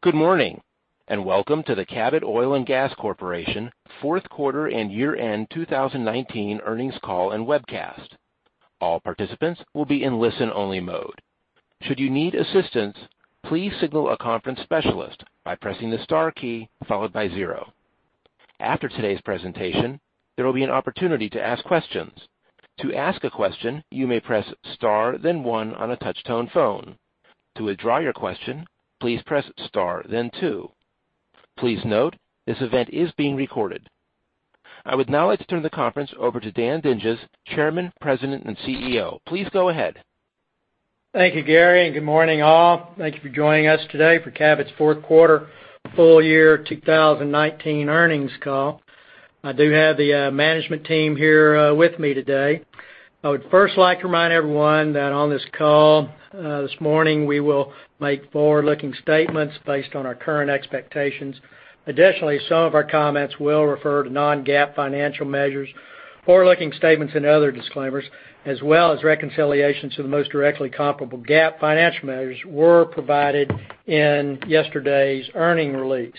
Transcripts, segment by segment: Good morning, and welcome to the Cabot Oil & Gas Corporation fourth quarter and year-end 2019 earnings call and webcast. All participants will be in listen-only mode. Should you need assistance, please signal a conference specialist by pressing the star key followed by zero. After today's presentation, there will be an opportunity to ask questions. To ask a question, you may press star then one on a touch-tone phone. To withdraw your question, please press star then two. Please note, this event is being recorded. I would now like to turn the conference over to Dan Dinges, Chairman, President, and CEO. Please go ahead. Thank you, Gary. Good morning, all. Thank you for joining us today for Cabot's fourth quarter, full year 2019 earnings call. I do have the management team here with me today. I would first like to remind everyone that on this call this morning, we will make forward-looking statements based on our current expectations. Additionally, some of our comments will refer to non-GAAP financial measures. Forward-looking statements and other disclaimers, as well as reconciliations to the most directly comparable GAAP financial measures, were provided in yesterday's earning release.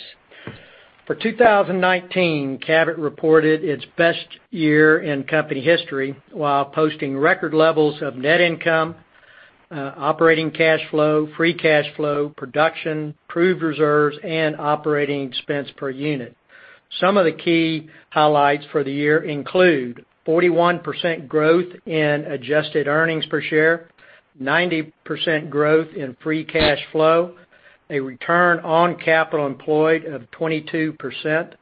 For 2019, Cabot reported its best year in company history while posting record levels of net income, operating cash flow, free cash flow, production, proved reserves, and operating expense per unit. Some of the key highlights for the year include 41% growth in adjusted earnings per share, 90% growth in free cash flow, a return on capital employed of 22%,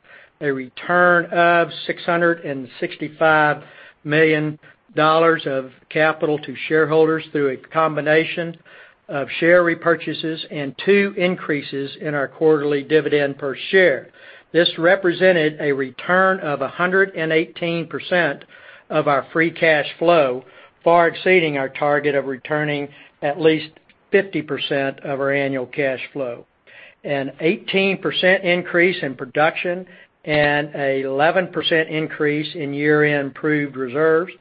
a return of $665 million of capital to shareholders through a combination of share repurchases, and two increases in our quarterly dividend per share. This represented a return of 118% of our free cash flow, far exceeding our target of returning at least 50% of our annual cash flow. An 18% increase in production and an 11% increase in year-end proved reserves,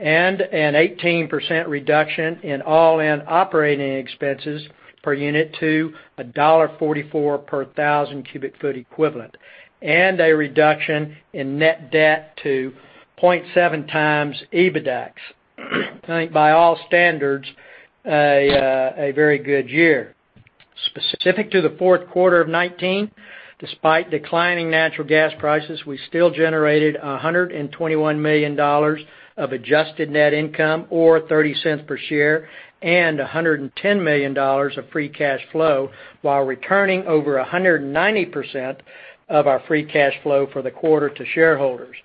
and an 18% reduction in all-in operating expenses per unit to $1.44 per thousand cubic foot equivalent, and a reduction in net debt to 0.7x EBITDAX. I think by all standards, a very good year. Specific to the fourth quarter of 2019, despite declining natural gas prices, we still generated $121 million of adjusted net income or $0.30 per share, and $110 million of free cash flow while returning over 190% of our free cash flow for the quarter to shareholders.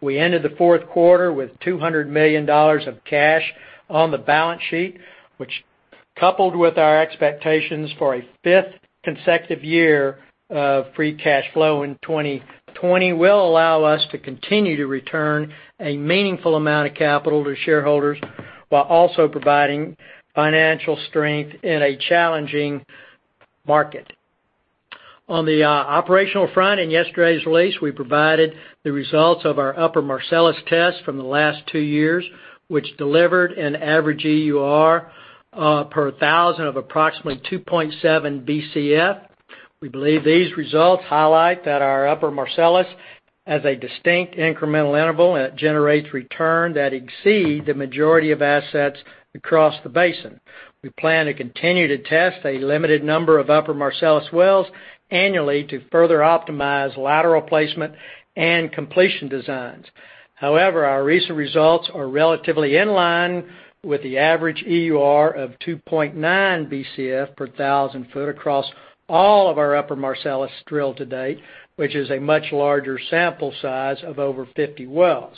We ended the fourth quarter with $200 million of cash on the balance sheet, which coupled with our expectations for a fifth consecutive year of free cash flow in 2020, will allow us to continue to return a meaningful amount of capital to shareholders while also providing financial strength in a challenging market. On the operational front in yesterday's release, we provided the results of our Upper Marcellus test from the last two years, which delivered an average EUR per thousand of approximately 2.7 Bcf. We believe these results highlight that our Upper Marcellus as a distinct incremental interval, and it generates return that exceed the majority of assets across the basin. We plan to continue to test a limited number of Upper Marcellus wells annually to further optimize lateral placement and completion designs. However, our recent results are relatively in line with the average EUR of 2.9 Bcf per 1,000 ft across all of our Upper Marcellus drilled to date, which is a much larger sample size of over 50 wells.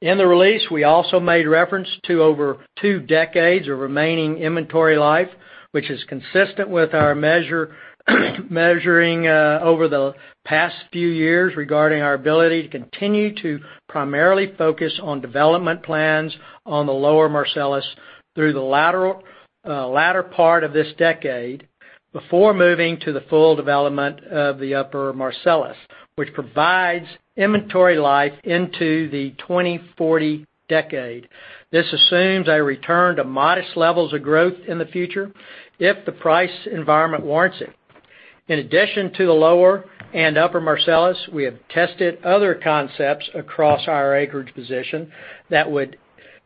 In the release, we also made reference to over two decades of remaining inventory life, which is consistent with our measure, measuring over the past few years regarding our ability to continue to primarily focus on development plans on the Lower Marcellus through the latter part of this decade before moving to the full development of the Upper Marcellus, which provides inventory life into the 2040 decade. This assumes a return to modest levels of growth in the future if the price environment warrants it. In addition to the Lower and Upper Marcellus, we have tested other concepts across our acreage position that would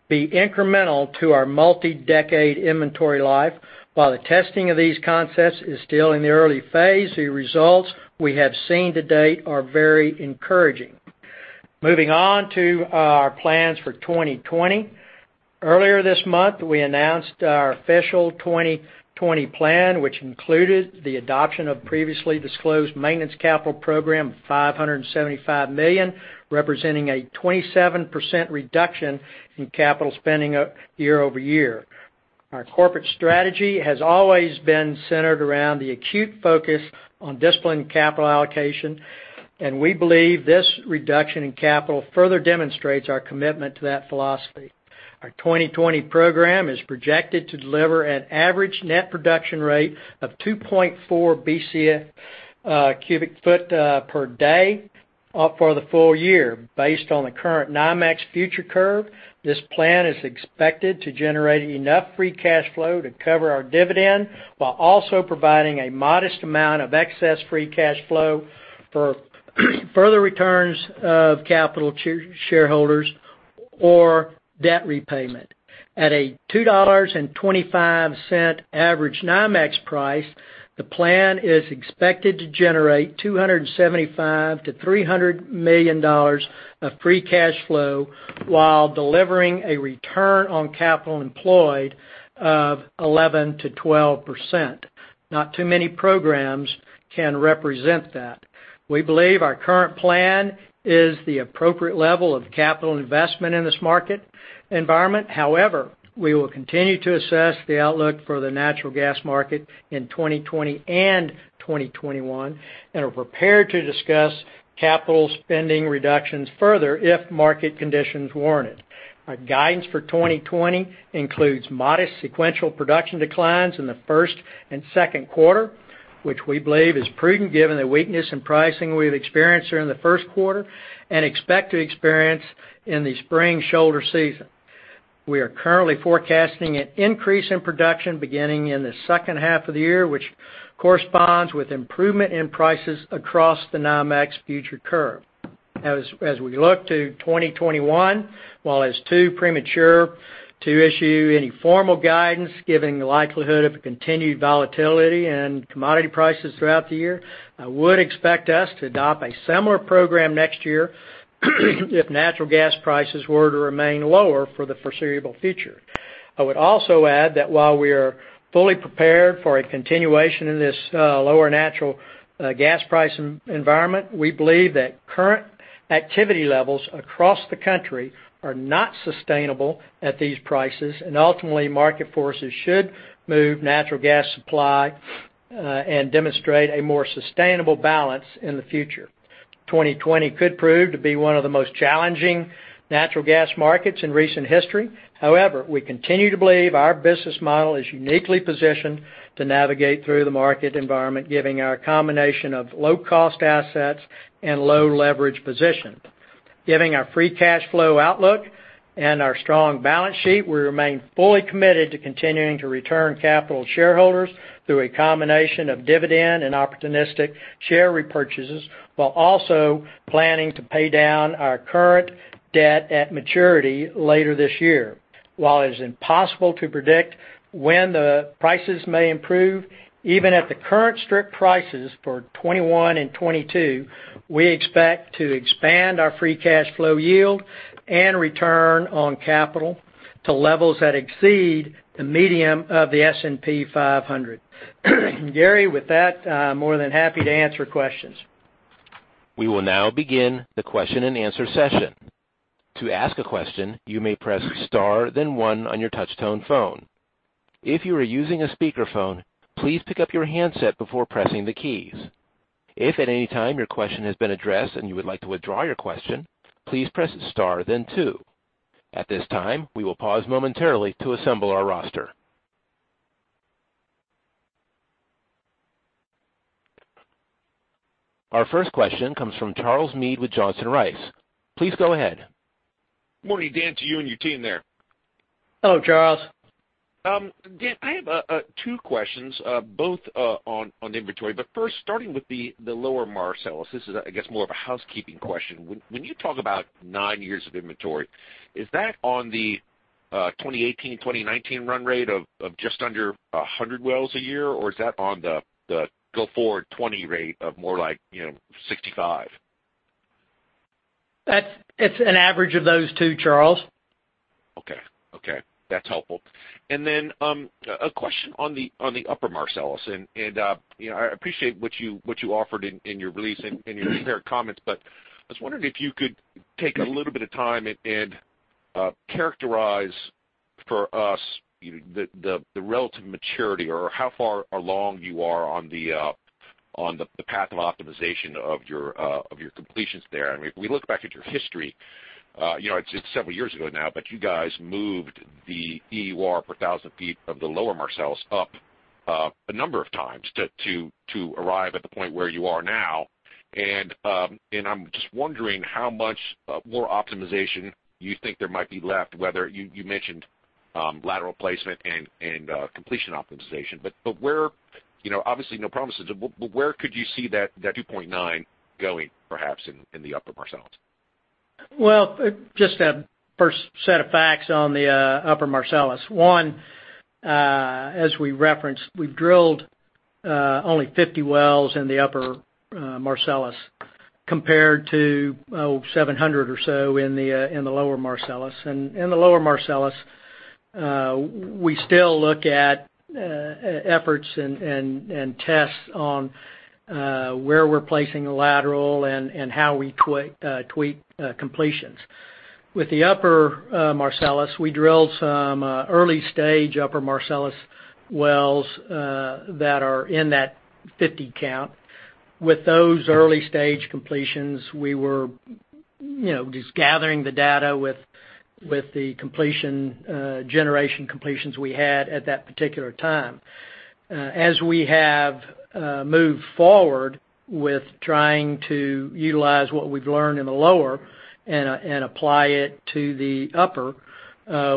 be incremental to our multi-decade inventory life. While the testing of these concepts is still in the early phase, the results we have seen to date are very encouraging. Moving on to our plans for 2020. Earlier this month, we announced our official 2020 plan, which included the adoption of previously disclosed maintenance capital program of $575 million, representing a 27% reduction in capital spending year-over-year. Our corporate strategy has always been centered around the acute focus on disciplined capital allocation, and we believe this reduction in capital further demonstrates our commitment to that philosophy. Our 2020 program is projected to deliver an average net production rate of 2.4 Bcf per day for the full year. Based on the current NYMEX future curve, this plan is expected to generate enough free cash flow to cover our dividend, while also providing a modest amount of excess free cash flow for further returns of capital to shareholders or debt repayment. At a $2.25 average NYMEX price, the plan is expected to generate $275 million-$300 million of free cash flow while delivering a return on capital employed of 11%-12%. Not too many programs can represent that. We believe our current plan is the appropriate level of capital investment in this market environment. However, we will continue to assess the outlook for the natural gas market in 2020 and 2021 and are prepared to discuss capital spending reductions further if market conditions warrant it. Our guidance for 2020 includes modest sequential production declines in the first and second quarter, which we believe is prudent given the weakness in pricing we've experienced during the first quarter and expect to experience in the spring shoulder season. We are currently forecasting an increase in production beginning in the second half of the year, which corresponds with improvement in prices across the NYMEX future curve. As we look to 2021, while it's too premature to issue any formal guidance, given the likelihood of a continued volatility in commodity prices throughout the year, I would expect us to adopt a similar program next year if natural gas prices were to remain lower for the foreseeable future. I would also add that while we are fully prepared for a continuation in this lower natural gas price environment, we believe that current activity levels across the country are not sustainable at these prices, and ultimately market forces should move natural gas supply and demonstrate a more sustainable balance in the future. 2020 could prove to be one of the most challenging natural gas markets in recent history. However, we continue to believe our business model is uniquely positioned to navigate through the market environment, given our combination of low-cost assets and low leverage position. Given our free cash flow outlook and our strong balance sheet, we remain fully committed to continuing to return capital to shareholders through a combination of dividend and opportunistic share repurchases, while also planning to pay down our current debt at maturity later this year. While it's impossible to predict when the prices may improve, even at the current strip prices for 2021 and 2022, we expect to expand our free cash flow yield and return on capital to levels that exceed the median of the S&P 500. Gary, with that, I'm more than happy to answer questions. We will now begin the question-and-answer session. To ask a question, you may press star then one on your touch tone phone. If you are using a speakerphone, please pick up your handset before pressing the keys. If at any time your question has been addressed and you would like to withdraw your question, please press star then two. At this time, we will pause momentarily to assemble our roster. Our first question comes from Charles Meade with Johnson Rice. Please go ahead. Morning, Dan, to you and your team there. Hello, Charles. Dan, I have two questions, both on inventory. First, starting with the Lower Marcellus. This is, I guess, more of a housekeeping question. When you talk about nine years of inventory, is that on the 2018-2019 run rate of just under 100 wells a year? Or is that on the go-forward 2020 rate of more like 65? It's an average of those two, Charles. Okay. That's helpful. Then, a question on the Upper Marcellus, and I appreciate what you offered in your release and in your prepared comments, but I was wondering if you could take a little bit of time and characterize for us the relative maturity or how far along you are on the path of optimization of your completions there. I mean, if we look back at your history, it's several years ago now, but you guys moved the EUR per thousand ft of the Lower Marcellus up a number of times to arrive at the point where you are now. I'm just wondering how much more optimization you think there might be left, whether you mentioned lateral placement and completion optimization. Obviously, no promises, but where could you see that 2.9 going perhaps in the Upper Marcellus? Well, just a first set of facts on the Upper Marcellus. One, as we referenced, we've drilled only 50 wells in the Upper Marcellus compared to 700 or so in the Lower Marcellus. In the Lower Marcellus, we still look at efforts and tests on where we're placing the lateral and how we tweak completions. With the Upper Marcellus, we drilled some early-stage Upper Marcellus wells that are in that 50 count. With those early-stage completions, we were gathering the data with the generation completions we had at that particular time. As we have moved forward with trying to utilize what we've learned in the Lower and apply it to the Upper,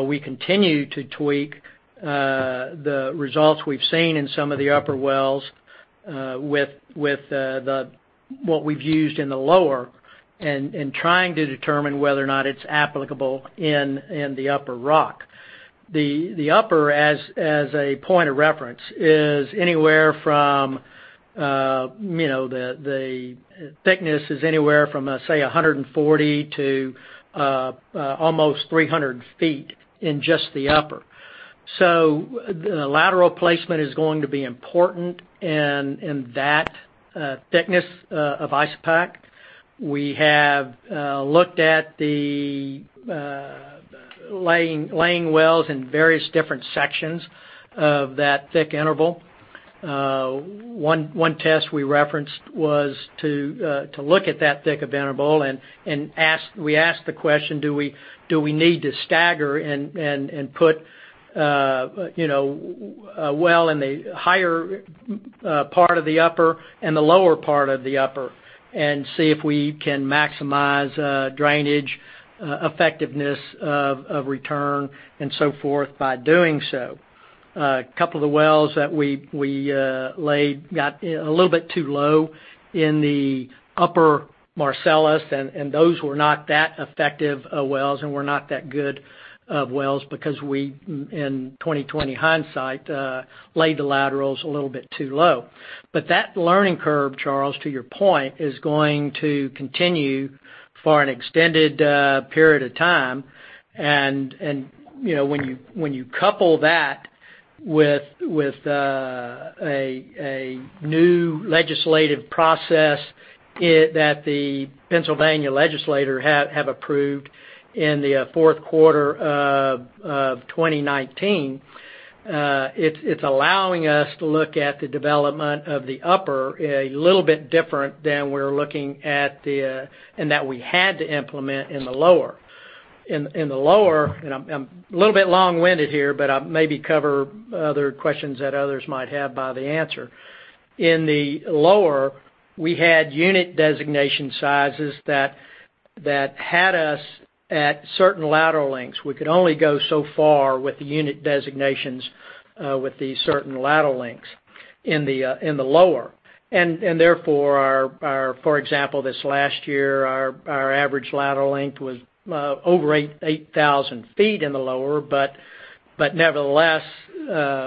we continue to tweak the results we've seen in some of the Upper wells, with what we've used in the Lower, and trying to determine whether or not it's applicable in the Upper rock. The upper, as a point of reference, the thickness is anywhere from, say, 140 to almost 300 ft in just the upper. The lateral placement is going to be important in that thickness of isopach. We have looked at the laying wells in various different sections of that thick interval. One test we referenced was to look at that thick interval, and we asked the question, do we need to stagger and put a well in the higher part of the upper and the lower part of the upper, and see if we can maximize drainage effectiveness of return and so forth by doing so? A couple of the wells that we laid got a little bit too low in the upper Marcellus, and those were not that effective of wells and were not that good of wells because we, in 20/20 hindsight, laid the laterals a little bit too low. That learning curve, Charles, to your point, is going to continue for an extended period of time. When you couple that with a new legislative process that the Pennsylvania legislature have approved in the fourth quarter of 2019, it's allowing us to look at the development of the upper a little bit different than we're looking at the And that we had to implement in the lower. In the lower, and I'm a little bit long-winded here, but I'll maybe cover other questions that others might have by the answer. In the lower, we had unit designation sizes that had us at certain lateral lengths. We could only go so far with the unit designations with the certain lateral lengths in the lower. Therefore, for example, this last year, our average lateral length was over 8,000 ft in the lower. Nevertheless,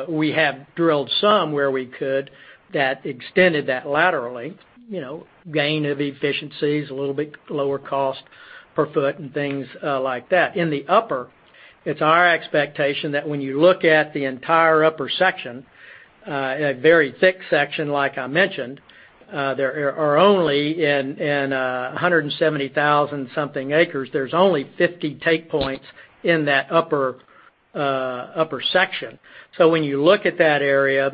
we have drilled some where we could that extended that laterally, gain of efficiencies, a little bit lower cost per foot and things like that. In the upper, it's our expectation that when you look at the entire upper section, a very thick section, like I mentioned, there are only in 170,000 something acres, there's only 50 take points in that upper section. When you look at that area,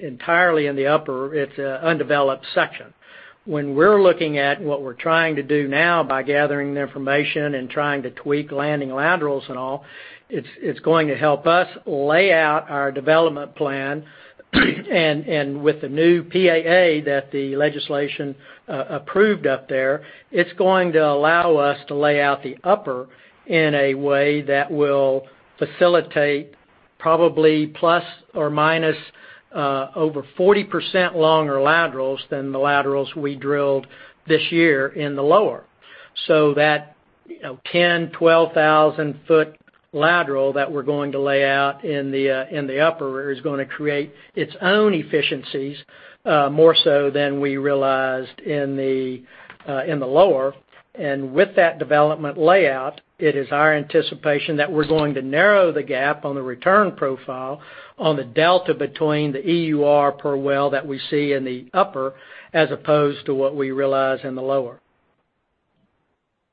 entirely in the upper, it's an undeveloped section. When we're looking at what we're trying to do now by gathering the information and trying to tweak landing laterals and all, it's going to help us lay out our development plan. With the new PAA that the legislation approved up there, it's going to allow us to lay out the upper in a way that will facilitate probably ± 40% longer laterals than the laterals we drilled this year in the lower. That 10, 12,000-foot lateral that we're going to lay out in the upper is going to create its own efficiencies, more so than we realized in the lower. With that development layout, it is our anticipation that we're going to narrow the gap on the return profile on the delta between the EUR per well that we see in the upper, as opposed to what we realize in the lower.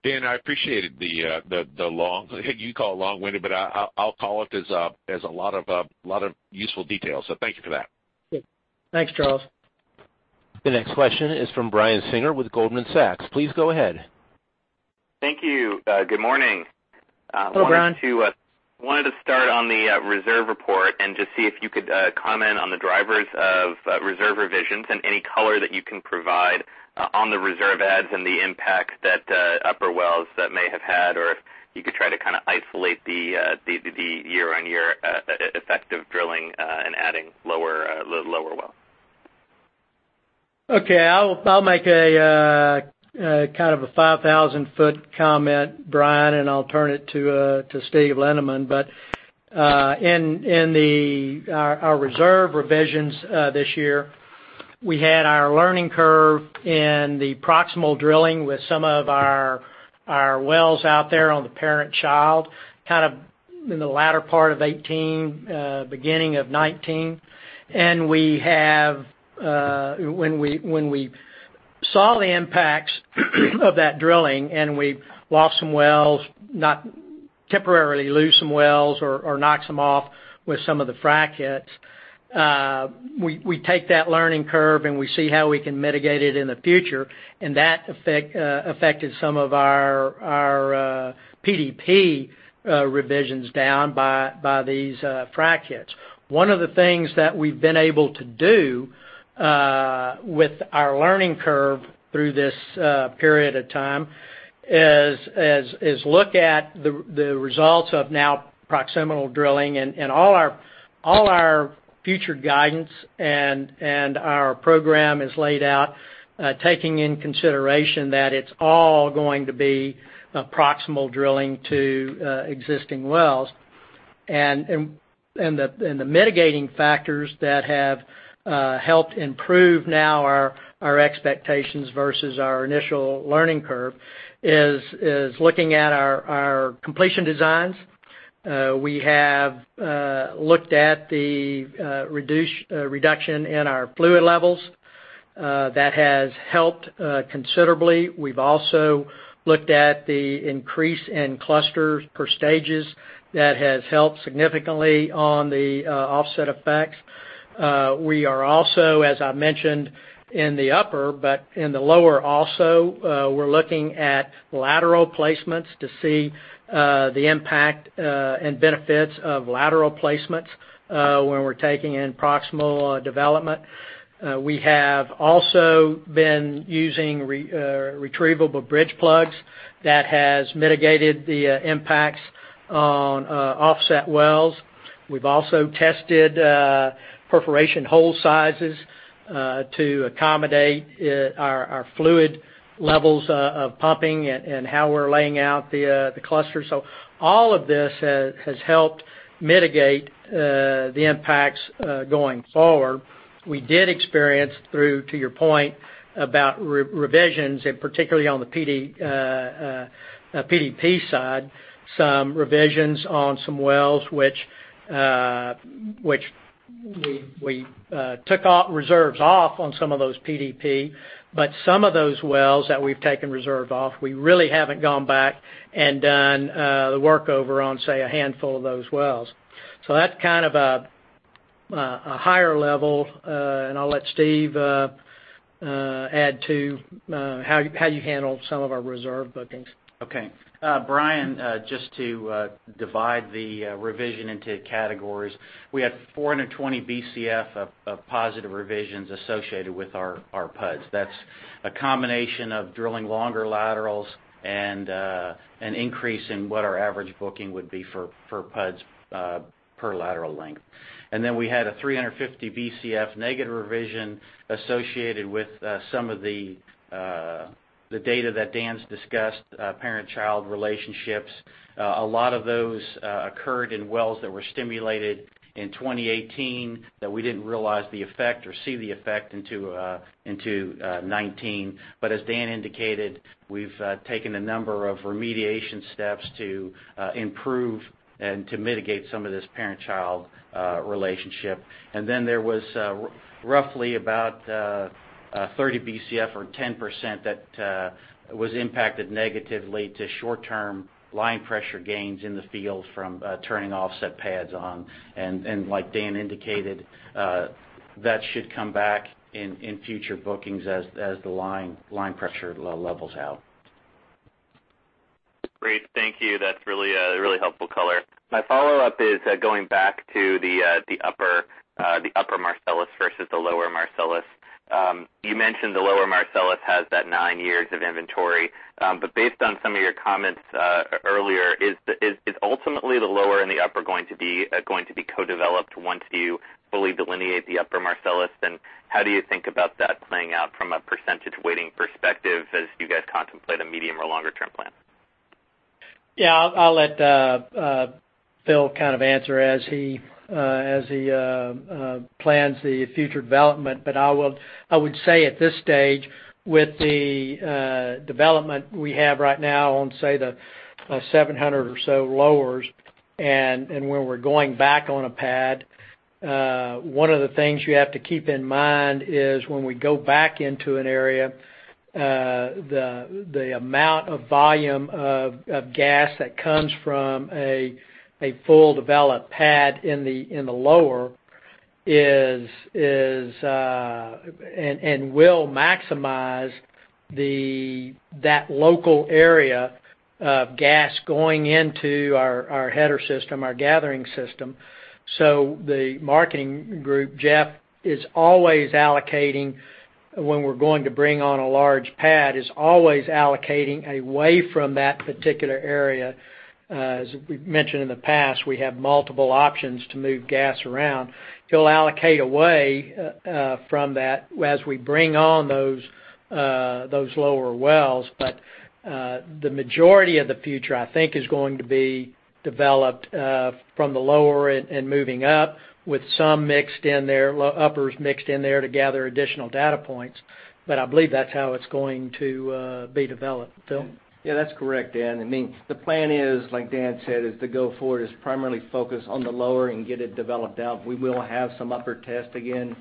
Dan, I appreciated the long, you call long-winded, but I'll call it as a lot of useful details. Thank you for that. Yeah. Thanks, Charles. The next question is from Brian Singer with Goldman Sachs. Please go ahead. Thank you. Good morning. Hello, Brian. Wanted to start on the reserve report and just see if you could comment on the drivers of reserve revisions and any color that you can provide on the reserve adds and the impact that upper wells that may have had, or if you could try to isolate the year-on-year effect of drilling and adding lower well. Okay. I'll make a 5,000-foot comment, Brian, and I'll turn it to Steven Lindeman. In our reserve revisions this year, we had our learning curve in the proximal drilling with some of our wells out there on the parent-child, in the latter part of 2018, beginning of 2019. When we saw the impacts of that drilling, and we lost some wells, not temporarily lose some wells or knocks them off with some of the frac hits. We take that learning curve, and we see how we can mitigate it in the future, and that affected some of our PDP revisions down by these frac hits. One of the things that we've been able to do with our learning curve through this period of time is look at the results of now proximal drilling and all our future guidance and our program is laid out, taking in consideration that it's all going to be proximal drilling to existing wells. The mitigating factors that have helped improve now our expectations versus our initial learning curve is looking at our completion designs. We have looked at the reduction in our fluid levels. That has helped considerably. We've also looked at the increase in clusters per stages. That has helped significantly on the offset effects. We are also, as I mentioned, in the upper, but in the lower also, we're looking at lateral placements to see the impact and benefits of lateral placements when we're taking in proximal development. We have also been using retrievable bridge plugs. That has mitigated the impacts on offset wells. We've also tested perforation hole sizes to accommodate our fluid levels of pumping and how we're laying out the clusters. All of this has helped mitigate the impacts going forward. We did experience through, to your point about revisions, and particularly on the PDP side, some revisions on some wells, which we took reserves off on some of those PDP, but some of those wells that we've taken reserve off, we really haven't gone back and done the work over on, say, a handful of those wells. That's a higher level, and I'll let Steve add to how you handle some of our reserve bookings. Brian, just to divide the revision into categories, we had 420 Bcf of positive revisions associated with our PUDs. That's a combination of drilling longer laterals and an increase in what our average booking would be for PUDs per lateral length. We had a 350 Bcf negative revision associated with some of the data that Dan's discussed, parent-child relationships. A lot of those occurred in wells that were stimulated in 2018 that we didn't realize the effect or see the effect into 2019. As Dan indicated, we've taken a number of remediation steps to improve and to mitigate some of this parent-child relationship. There was roughly about 30 Bcf or 10% that was impacted negatively to short-term line pressure gains in the field from turning offset pads on. Like Dan indicated, that should come back in future bookings as the line pressure levels out. Great. Thank you. That's really helpful color. My follow-up is going back to the Upper Marcellus versus the Lower Marcellus. You mentioned the Lower Marcellus has that nine years of inventory. Based on some of your comments earlier, is ultimately the Lower and the Upper going to be co-developed once you fully delineate the Upper Marcellus? How do you think about that playing out from a % weighting perspective as you guys contemplate a medium or longer-term plan? Yeah, I'll let Phil answer as he plans the future development. I would say at this stage, with the development we have right now on, say, the 700 or so lowers, and where we're going back on a pad, one of the things you have to keep in mind is when we go back into an area, the amount of volume of gas that comes from a full developed pad in the lower, and will maximize that local area of gas going into our header system, our gathering system. The marketing group, Jeff, is always allocating, when we're going to bring on a large pad, is always allocating away from that particular area. As we've mentioned in the past, we have multiple options to move gas around. He'll allocate away from that as we bring on those lower wells. The majority of the future, I think, is going to be developed from the lower end and moving up, with some uppers mixed in there to gather additional data points. I believe that's how it's going to be developed. Phil? Yeah, that's correct, Dan. The plan is, like Dan said, is to go forward, is primarily focused on the lower and get it developed out. We will have some upper tests again.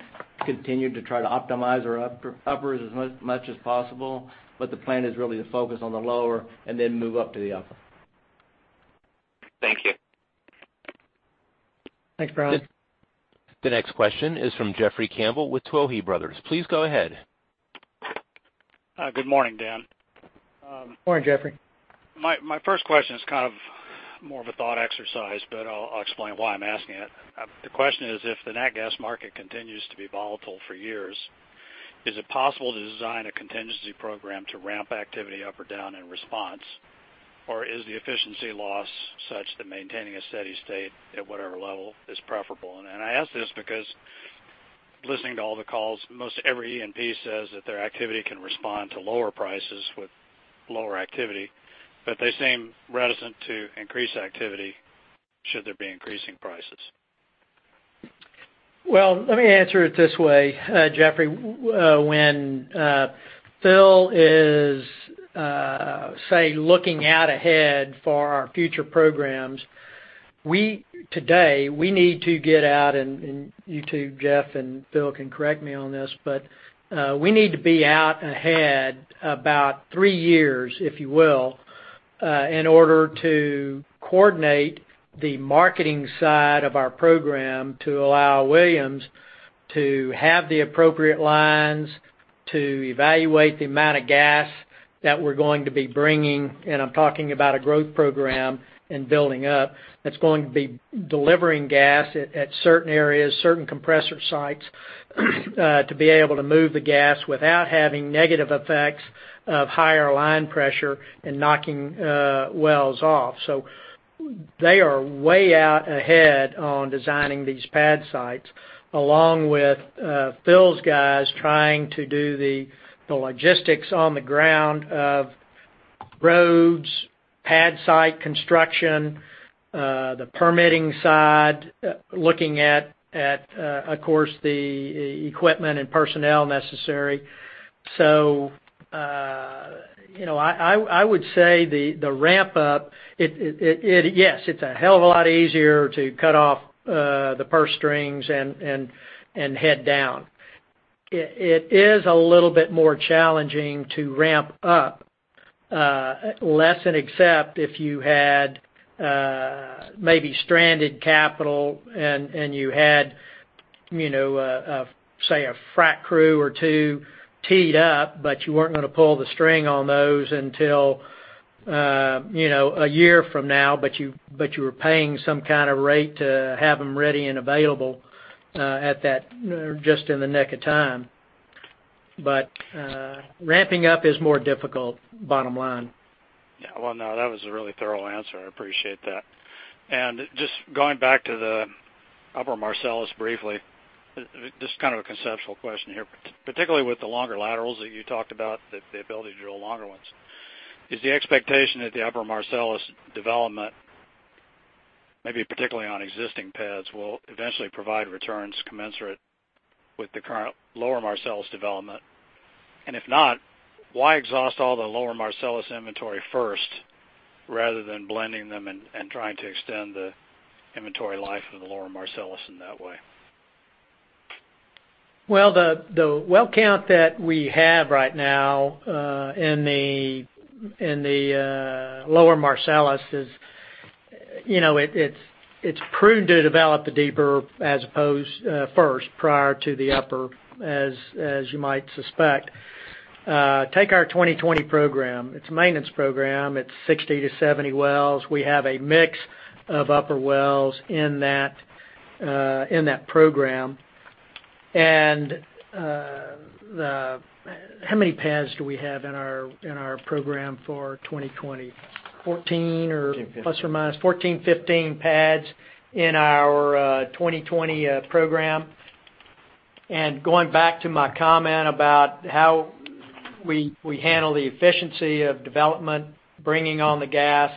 Continue to try to optimize our uppers as much as possible, the plan is really to focus on the lower and then move up to the upper. Thank you. Thanks, Brian. The next question is from Jeffrey Campbell with Tuohy Brothers. Please go ahead. Good morning, Dan. Morning, Jeffrey. My first question is more of a thought exercise, but I'll explain why I'm asking it. The question is, if the natural gas market continues to be volatile for years, is it possible to design a contingency program to ramp activity up or down in response? Is the efficiency loss such that maintaining a steady state at whatever level is preferable? I ask this because listening to all the calls, most every E&P says that their activity can respond to lower prices with lower activity, but they seem reticent to increase activity should there be increasing prices. Well, let me answer it this way, Jeffrey. When Phil is looking out ahead for our future programs, today, we need to get out, and you too, Jeff, and Phil can correct me on this. We need to be out ahead about three years, if you will, in order to coordinate the marketing side of our program to allow Williams to have the appropriate lines to evaluate the amount of gas that we're going to be bringing. I'm talking about a growth program and building up, that's going to be delivering gas at certain areas, certain compressor sites, to be able to move the gas without having negative effects of higher line pressure and knocking wells off. They are way out ahead on designing these pad sites, along with Phil's guys trying to do the logistics on the ground of roads, pad site construction, the permitting side, looking at, of course, the equipment and personnel necessary. I would say the ramp-up, yes, it's a hell of a lot easier to cut off the purse strings and head down. It is a little bit more challenging to ramp up, less and except if you had maybe stranded capital and you had, say a frac crew or two teed up, but you weren't going to pull the string on those until a year from now, but you were paying some kind of rate to have them ready and available just in the nick of time. Ramping up is more difficult, bottom line. Yeah. Well, no, that was a really thorough answer. I appreciate that. Just going back to the Upper Marcellus briefly, just a conceptual question here. Particularly with the longer laterals that you talked about, the ability to drill longer ones. Is the expectation that the Upper Marcellus development, maybe particularly on existing pads, will eventually provide returns commensurate with the current Lower Marcellus development? If not, why exhaust all the Lower Marcellus inventory first rather than blending them and trying to extend the inventory life of the Lower Marcellus in that way? Well, the well count that we have right now in the Lower Marcellus is it's prudent to develop the deeper first, prior to the upper, as you might suspect. Take our 2020 program. It's a maintenance program. It's 60 to 70 wells. We have a mix of upper wells in that program. How many pads do we have in our program for 2020? 14. 14, 15. ±14, 15 pads in our 2020 program. Going back to my comment about how we handle the efficiency of development, bringing on the gas,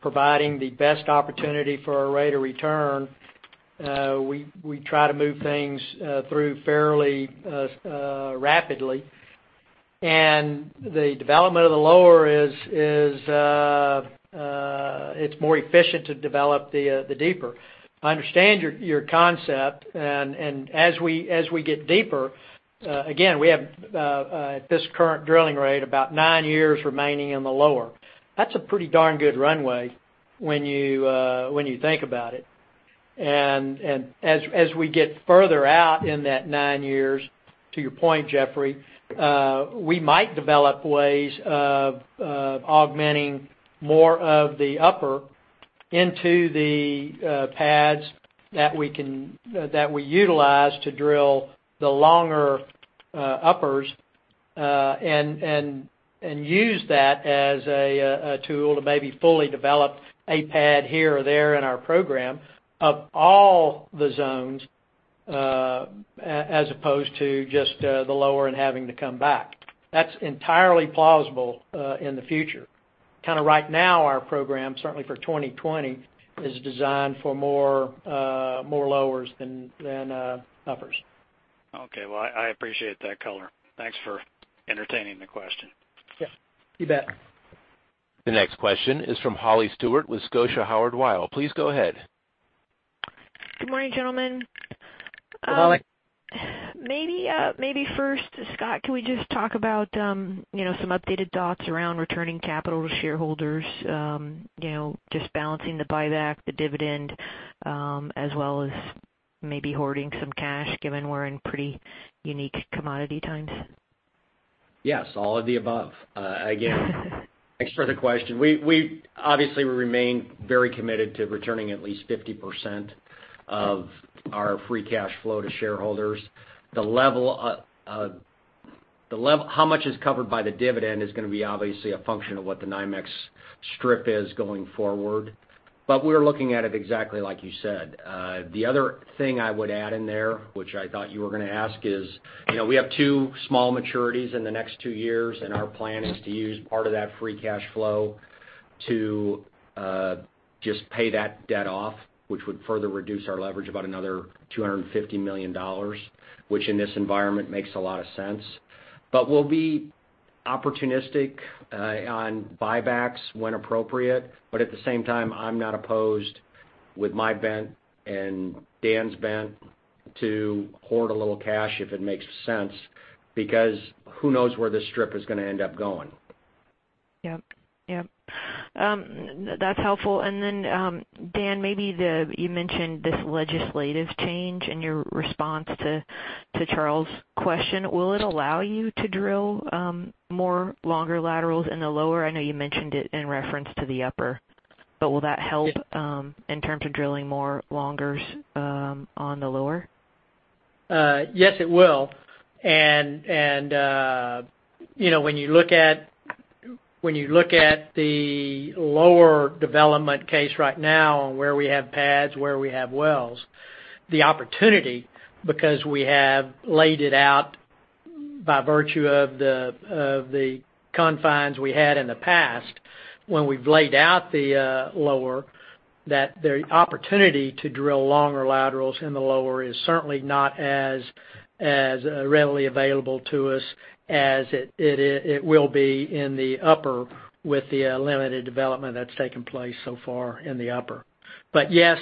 providing the best opportunity for our rate of return, we try to move things through fairly rapidly. The development of the lower is it's more efficient to develop the deeper. I understand your concept, as we get deeper, again, we have at this current drilling rate, about nine years remaining in the lower. That's a pretty darn good runway when you think about it. As we get further out in that nine years, to your point, Jeffrey, we might develop ways of augmenting more of the upper into the pads that we utilize to drill the longer uppers, and use that as a tool to maybe fully develop a pad here or there in our program of all the zones, as opposed to just the lower and having to come back. That's entirely plausible in the future. Right now, our program, certainly for 2020, is designed for more lowers than uppers. Okay. Well, I appreciate that color. Thanks for entertaining the question. Yeah. You bet. The next question is from Holly Stewart with Scotia Howard Weil. Please go ahead. Good morning, gentlemen. Good morning. Maybe first, Scott, can we just talk about some updated thoughts around returning capital to shareholders, just balancing the buyback, the dividend, as well as maybe hoarding some cash, given we're in pretty unique commodity times? Yes, all of the above. Again, thanks for the question. Obviously, we remain very committed to returning at least 50% of our free cash flow to shareholders. How much is covered by the dividend is going to be obviously a function of what the NYMEX strip is going forward. We're looking at it exactly like you said. The other thing I would add in there, which I thought you were going to ask is, we have two small maturities in the next two years, and our plan is to use part of that free cash flow to just pay that debt off, which would further reduce our leverage about another $250 million, which in this environment makes a lot of sense. We'll be opportunistic on buybacks when appropriate. At the same time, I'm not opposed with my bent and Dan's bent to hoard a little cash if it makes sense, because who knows where this strip is going to end up going. Yep. That's helpful. Dan, maybe you mentioned this legislative change in your response to Charles' question. Will it allow you to drill more longer laterals in the lower? I know you mentioned it in reference to the upper, will that help in terms of drilling more longers on the lower? Yes, it will. When you look at the lower development case right now, where we have pads, where we have wells, the opportunity, because we have laid it out by virtue of the confines we had in the past, when we've laid out the lower, that the opportunity to drill longer laterals in the lower is certainly not as readily available to us as it will be in the upper with the limited development that's taken place so far in the upper. Yes,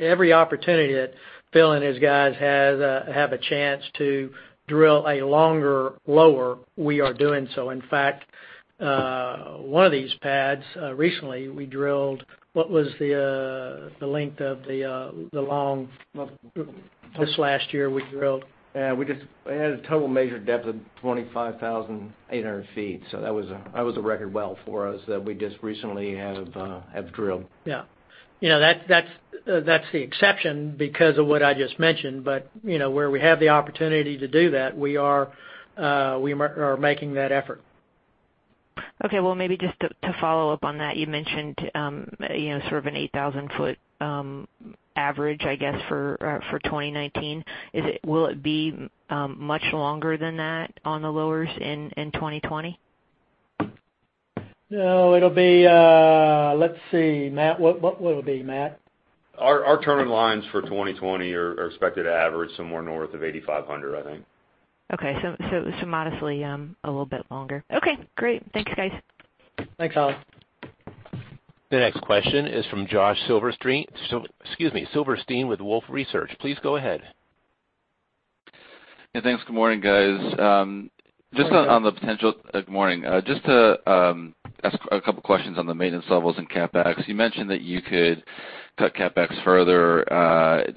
every opportunity that Phil and his guys have a chance to drill a longer lower, we are doing so. In fact, one of these pads, recently, we drilled. What was the length of the long this last year we drilled? Yeah, we had a total measured depth of 25,800 ft. That was a record well for us that we just recently have drilled. Yeah. That's the exception because of what I just mentioned. Where we have the opportunity to do that, we are making that effort. Okay. Well, maybe just to follow up on that, you mentioned sort of an 8,000 foot average, I guess, for 2019. Will it be much longer than that on the lowers in 2020? No, it'll be Let's see, Matt. What will it be, Matt? Our turn-in-lines for 2020 are expected to average somewhere north of 8,500, I think. Okay. Modestly a little bit longer. Okay, great. Thanks, guys. Thanks, Holly. The next question is from Josh Silverstein with Wolfe Research. Please go ahead. Yeah, thanks. Good morning, guys. Good morning. Good morning. Just to ask a couple questions on the maintenance levels and CapEx. You mentioned that you could cut CapEx further,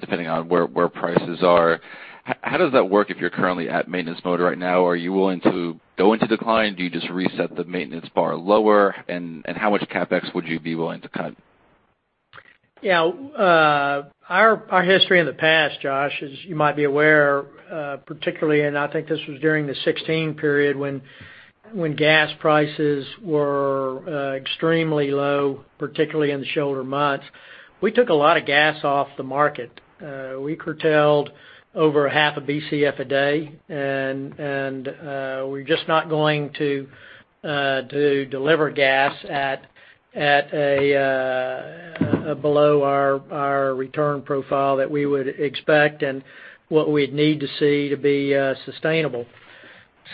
depending on where prices are. How does that work if you're currently at maintenance mode right now? Are you willing to go into decline? Do you just reset the maintenance bar lower? How much CapEx would you be willing to cut? Yeah. Our history in the past, Josh, as you might be aware, particularly, I think this was during the 2016 period when gas prices were extremely low, particularly in the shoulder months, we took a lot of gas off the market. We curtailed over half a Bcf a day. We're just not going to deliver gas at below our return profile that we would expect and what we'd need to see to be sustainable.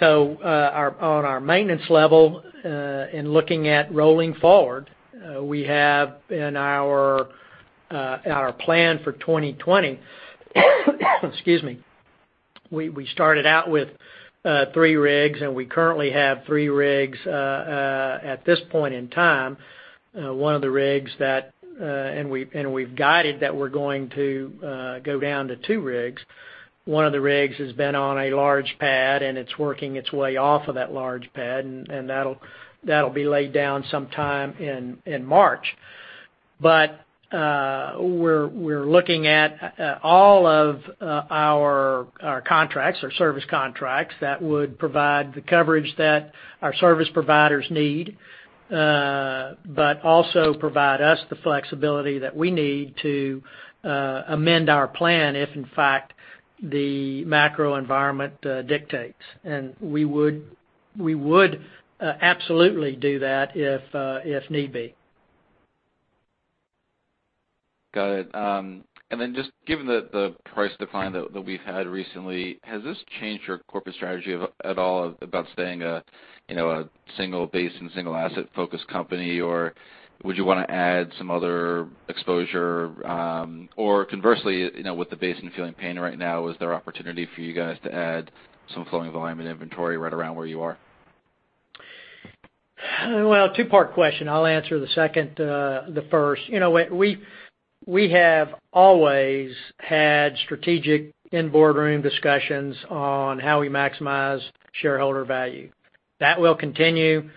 On our maintenance level, in looking at rolling forward, we have in our plan for 2020, excuse me, we started out with three rigs. We currently have three rigs at this point in time. We've guided that we're going to go down to two rigs. One of the rigs has been on a large pad, and it's working its way off of that large pad, and that'll be laid down sometime in March. We're looking at all of our contracts, our service contracts, that would provide the coverage that our service providers need. Also provide us the flexibility that we need to amend our plan if in fact, the macro environment dictates. We would absolutely do that if need be. Got it. Just given the price decline that we've had recently, has this changed your corporate strategy at all about staying a single basin, single asset focused company? Or would you want to add some other exposure? Or conversely, with the basin feeling pain right now, is there opportunity for you guys to add some flowing volume and inventory right around where you are? Well, two-part question. I'll answer the second, the first. We have always had strategic in-boardroom discussions on how we maximize shareholder value. That will continue.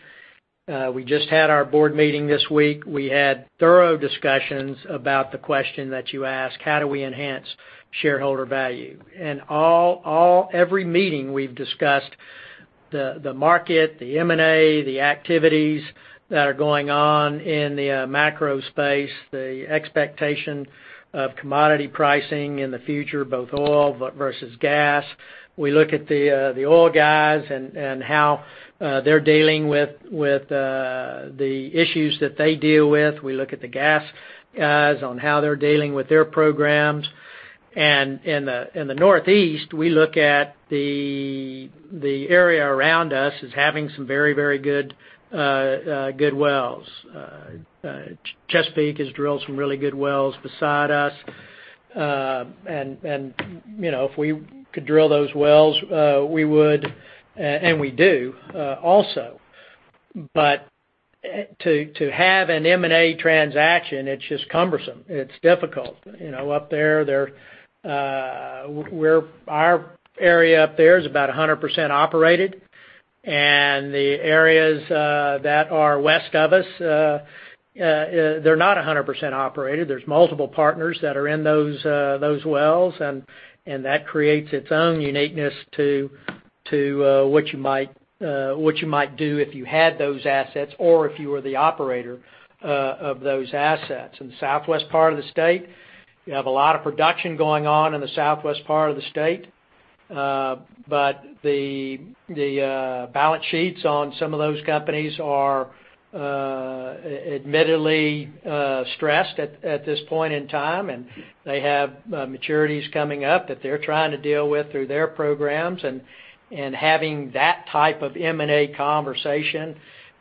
We just had our board meeting this week. We had thorough discussions about the question that you asked, how do we enhance shareholder value? Every meeting, we've discussed the market, the M&A, the activities that are going on in the macro space, the expectation of commodity pricing in the future, both oil versus gas. We look at the oil guys and how they're dealing with the issues that they deal with. We look at the gas guys on how they're dealing with their programs. In the Northeast, we look at the area around us as having some very good wells. Chesapeake has drilled some really good wells beside us. If we could drill those wells, we would, and we do also. To have an M&A transaction, it's just cumbersome. It's difficult. Up there, our area up there is about 100% operated, and the areas that are west of us, they're not 100% operated. There's multiple partners that are in those wells, and that creates its own uniqueness to what you might do if you had those assets or if you were the operator of those assets. In the southwest part of the state, you have a lot of production going on in the southwest part of the state. The balance sheets on some of those companies are admittedly stressed at this point in time, and they have maturities coming up that they're trying to deal with through their programs. Having that type of M&A conversation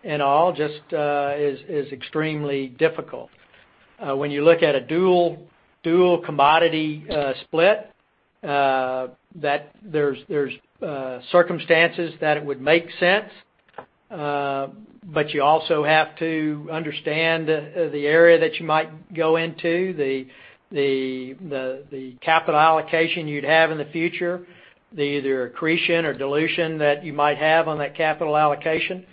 and all just is extremely difficult. When you look at a dual commodity split, there's circumstances that it would make sense. You also have to understand the area that you might go into, the capital allocation you'd have in the future, the either accretion or dilution that you might have on that capital allocation.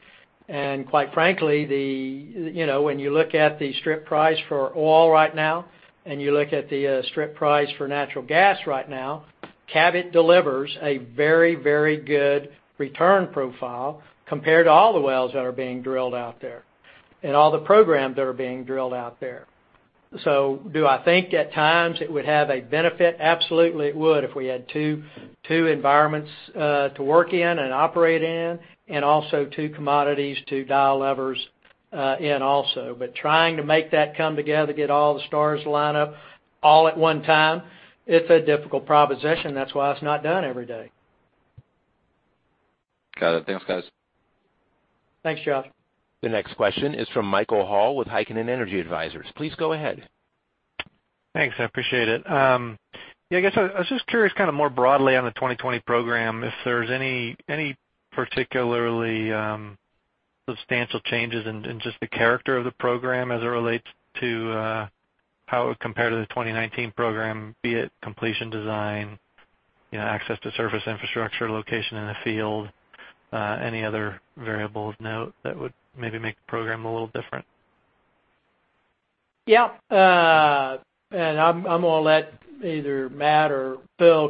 Quite frankly, when you look at the strip price for oil right now and you look at the strip price for natural gas right now, Cabot delivers a very good return profile compared to all the wells that are being drilled out there and all the programs that are being drilled out there. Do I think at times it would have a benefit? Absolutely, it would if we had two environments to work in and operate in, and also two commodities, two dial levers in also. Trying to make that come together, get all the stars lined up all at one time, it's a difficult proposition. That's why it's not done every day. Got it. Thanks, guys. Thanks, Josh. The next question is from Michael Hall with Heikkinen Energy Advisors. Please go ahead. Thanks. I appreciate it. Yeah, I guess I was just curious more broadly on the 2020 program, if there's any particularly substantial changes in just the character of the program as it relates to how it would compare to the 2019 program, be it completion design, access to surface infrastructure, location in the field, any other variables of note that would maybe make the program a little different? Yeah. I'm going to let either Matt or Bill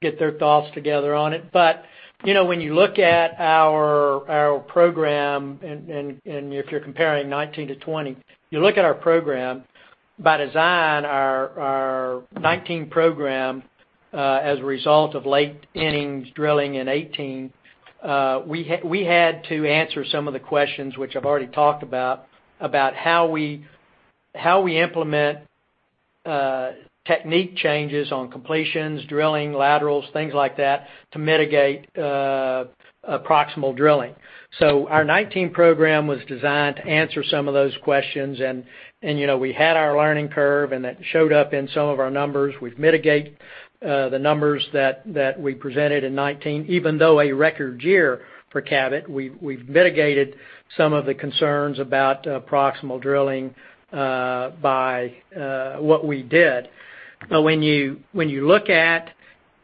get their thoughts together on it. When you look at our program, and if you're comparing 2019 to 2020, you look at our program, by design, our 2019 program, as a result of late innings drilling in 2018, we had to answer some of the questions which I've already talked about how we implement technique changes on completions, drilling, laterals, things like that, to mitigate proximal drilling. Our 2019 program was designed to answer some of those questions, and we had our learning curve, and that showed up in some of our numbers. We've mitigated the numbers that we presented in 2019. Even though a record year for Cabot, we've mitigated some of the concerns about proximal drilling by what we did. When you look at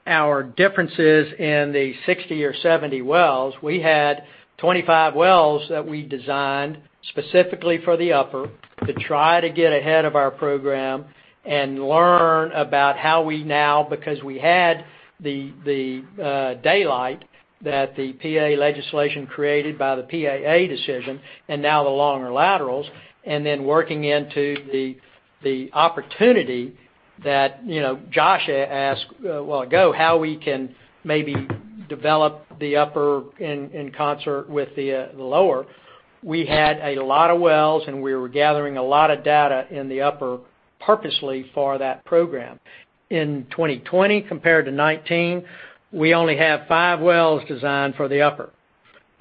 our differences in the 60 or 70 wells, we had 25 wells that we designed specifically for the upper to try to get ahead of our program and learn about how we now, because we had the daylight that the PA legislation created by the PAA decision, and now the longer laterals, and then working into the opportunity that Josh asked a while ago, how we can maybe develop the upper in concert with the lower. We had a lot of wells, and we were gathering a lot of data in the upper purposely for that program. In 2020 compared to 2019, we only have five wells designed for the upper.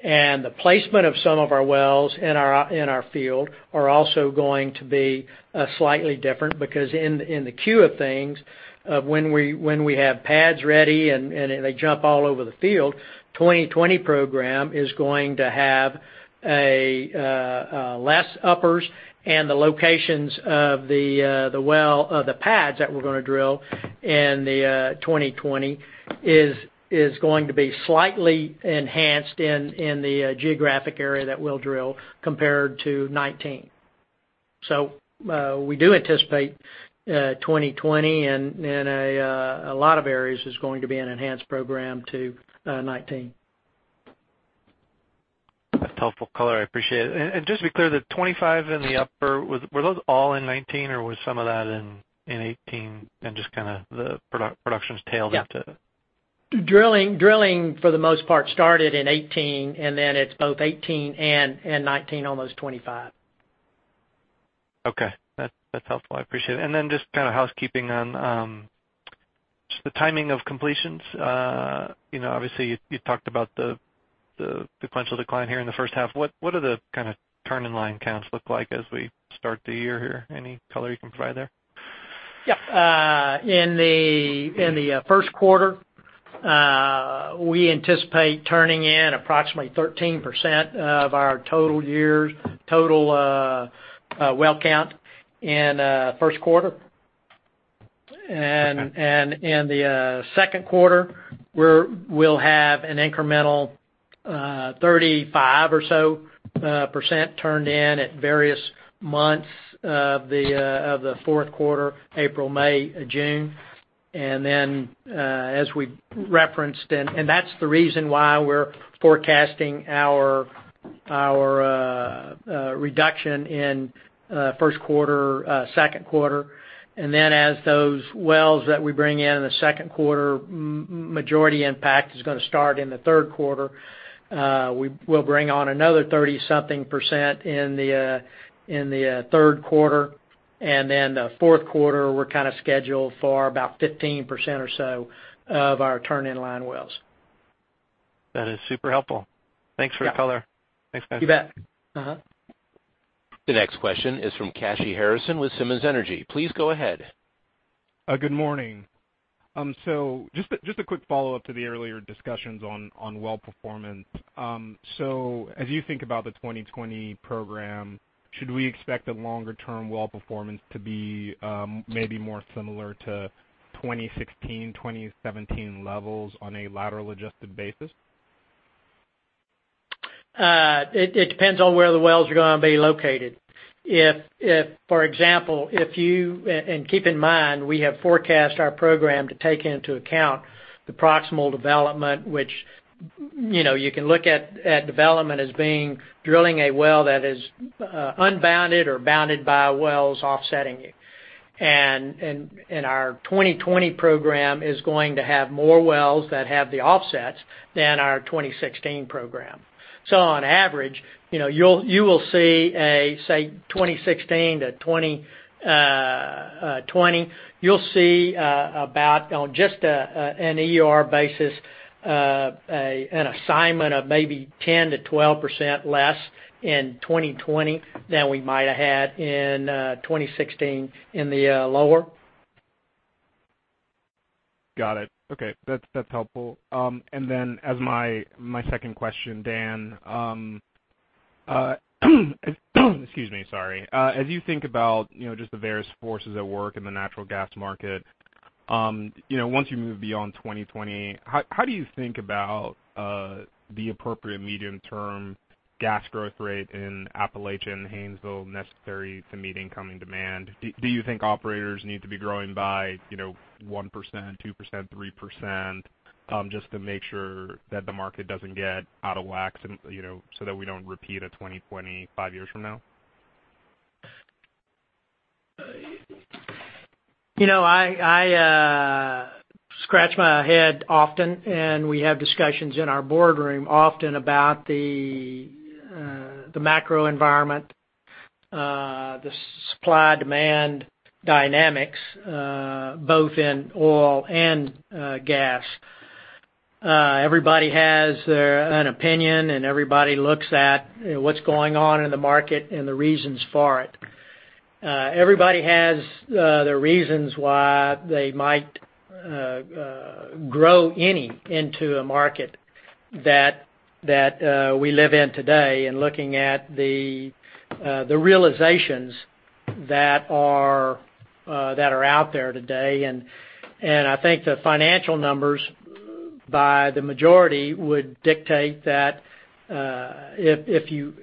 The placement of some of our wells in our field are also going to be slightly different because in the queue of things, of when we have pads ready and they jump all over the field, 2020 program is going to have less uppers, and the locations of the pads that we're going to drill in the 2020 is going to be slightly enhanced in the geographic area that we'll drill compared to 2019. We do anticipate 2020 in a lot of areas is going to be an enhanced program to 2019. That's helpful color. I appreciate it. Just to be clear, the 25 in the upper, were those all in 2019 or was some of that in 2018 and just the productions tailed into? Drilling for the most part started in 2018, and then it's both 2018 and 2019, on those 25. Okay. That's helpful. I appreciate it. Just housekeeping on just the timing of completions. Obviously, you talked about the sequential decline here in the first half. What do the turn-in-line counts look like as we start the year here? Any color you can provide there? Yeah. In the first quarter, we anticipate turning in approximately 13% of our total well count in first quarter. Okay. In the second quarter, we'll have an incremental 35% or so turned in at various months of the fourth quarter, April, May, June. As we referenced, that's the reason why we're forecasting our reduction in first quarter, second quarter. As those wells that we bring in in the second quarter, majority impact is going to start in the third quarter. We'll bring on another 30-something percent in the third quarter. The fourth quarter, we're scheduled for about 15% or so of our turn-in-line wells. That is super helpful. Thanks for the color. Yeah. Thanks, guys. You bet. Mm-hmm. The next question is from Kashy Harrison with Simmons Energy. Please go ahead. Good morning. Just a quick follow-up to the earlier discussions on well performance. As you think about the 2020 program, should we expect the longer-term well performance to be maybe more similar to 2016, 2017 levels on a laterally adjusted basis? It depends on where the wells are going to be located. For example, keep in mind, we have forecast our program to take into account the proximal development, which you can look at development as being drilling a well that is unbounded or bounded by wells offsetting it. Our 2020 program is going to have more wells that have the offsets than our 2016 program. On average, you will see a, say, 2016 to 2020, you'll see about, on just an EUR basis, an assignment of maybe 10%-12% less in 2020 than we might have had in 2016 in the lower. Got it. Okay. That's helpful. Then as my second question, Dan, excuse me, sorry. As you think about just the various forces at work in the natural gas market, once you move beyond 2020, how do you think about the appropriate medium-term gas growth rate in Appalachian, Haynesville necessary to meet incoming demand? Do you think operators need to be growing by 1%, 2%, 3%, just to make sure that the market doesn't get out of whack, so that we don't repeat a 2020 five years from now? I scratch my head often, and we have discussions in our boardroom often about the macro environment, the supply-demand dynamics, both in oil and gas. Everybody has an opinion, and everybody looks at what's going on in the market and the reasons for it. Everybody has their reasons why they might grow any into a market that we live in today and looking at the realizations that are out there today. I think the financial numbers by the majority would dictate that if you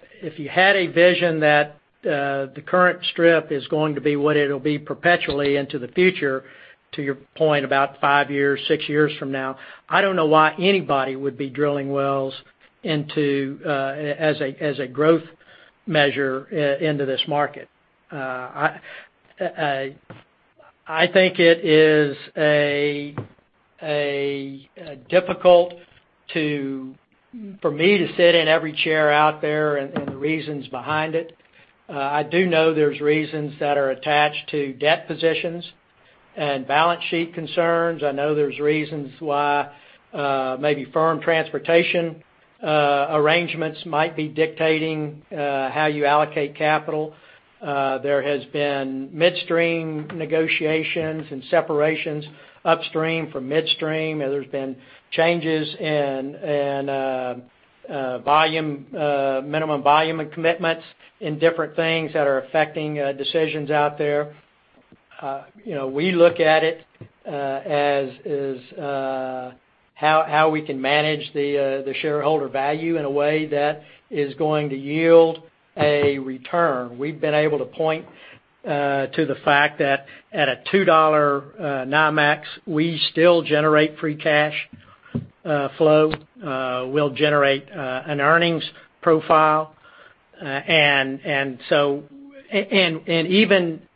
had a vision that the current strip is going to be what it'll be perpetually into the future. To your point about five years, six years from now, I don't know why anybody would be drilling wells as a growth measure into this market. I think it is difficult for me to sit in every chair out there and the reasons behind it. I do know there's reasons that are attached to debt positions and balance sheet concerns. I know there's reasons why maybe firm transportation arrangements might be dictating how you allocate capital. There has been midstream negotiations and separations upstream from midstream, and there's been changes in minimum volume and commitments in different things that are affecting decisions out there. We look at it as how we can manage the shareholder value in a way that is going to yield a return. We've been able to point to the fact that at a $2 NYMEX, we still generate free cash flow. We'll generate an earnings profile. Even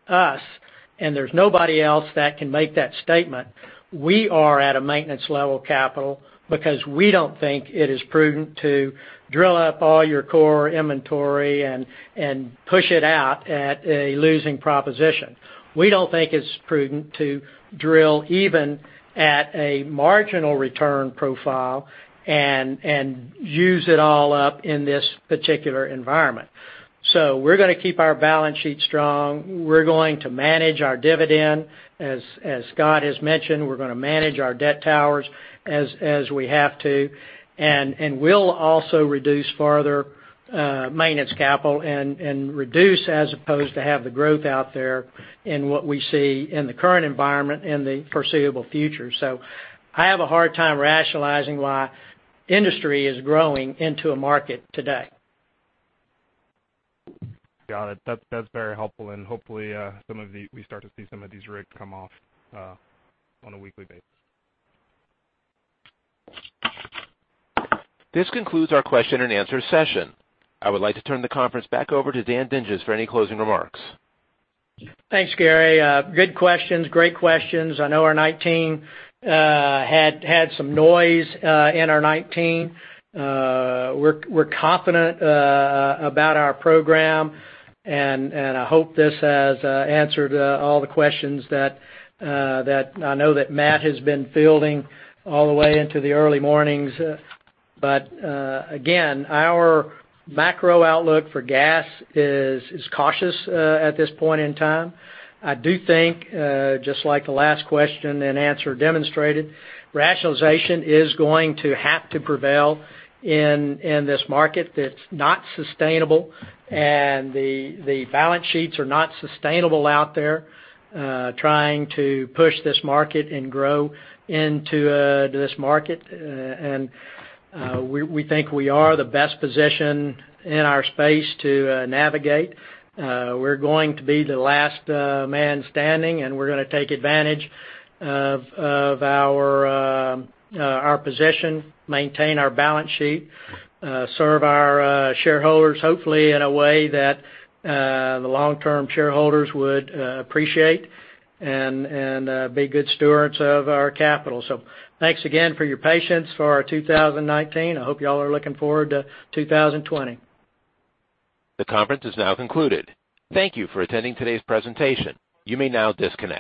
us, and there's nobody else that can make that statement, we are at a maintenance level capital because we don't think it is prudent to drill up all your core inventory and push it out at a losing proposition. We don't think it's prudent to drill even at a marginal return profile and use it all up in this particular environment. We're going to keep our balance sheet strong. We're going to manage our dividend. As Scott has mentioned, we're going to manage our debt towers as we have to. We'll also reduce further maintenance capital and reduce as opposed to have the growth out there in what we see in the current environment in the foreseeable future. I have a hard time rationalizing why industry is growing into a market today. Got it. That's very helpful, and hopefully, we start to see some of these rigs come off on a weekly basis. This concludes our question and answer session. I would like to turn the conference back over to Dan Dinges for any closing remarks. Thanks, Gary. Good questions. Great questions. I know our 2019 had some noise in our 2019. We're confident about our program, and I hope this has answered all the questions that I know that Matt has been fielding all the way into the early mornings. Again, our macro outlook for gas is cautious at this point in time. I do think, just like the last question and answer demonstrated, rationalization is going to have to prevail in this market that's not sustainable, and the balance sheets are not sustainable out there trying to push this market and grow into this market. We think we are the best positioned in our space to navigate. We're going to be the last man standing, and we're going to take advantage of our position, maintain our balance sheet, serve our shareholders, hopefully in a way that the long-term shareholders would appreciate, and be good stewards of our capital. Thanks again for your patience for our 2019. I hope you all are looking forward to 2020. The conference is now concluded. Thank you for attending today's presentation. You may now disconnect.